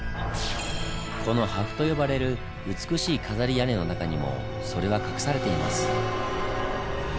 この「破風」と呼ばれる美しい飾り屋根の中にもそれは隠されています。